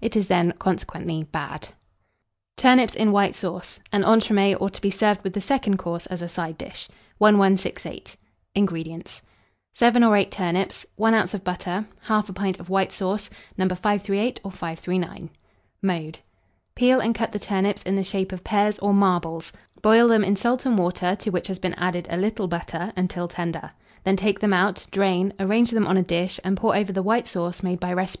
It is then, consequently, bad. TURNIPS IN WHITE SAUCE. (An Entremets, or to be served with the Second Course as a Side dish.) 1168. INGREDIENTS. 7 or 8 turnips, 1 oz. of butter, 1/2 pint of white sauce, No. 538 or 539. Mode. Peel and cut the turnips in the shape of pears or marbles; boil them in salt and water, to which has been added a little butter, until tender; then take them out, drain, arrange them on a dish, and pour over the white sauce made by recipe No.